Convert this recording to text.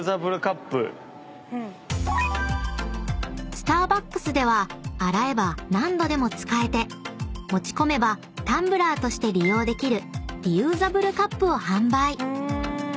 ［スターバックスでは洗えば何度でも使えて持ち込めばタンブラーとして利用できるリユーザブルカップを販売］